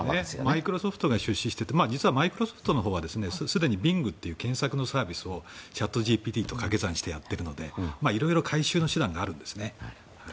マイクロソフトが出資していてマイクロソフト社のほうはすでにＢｉｎｇというサービスをチャットＧＰＴと連携していろいろ回収の手段があるんですね。